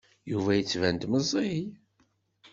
Yuba yettban-d meẓẓiy.